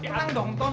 tenang dong ton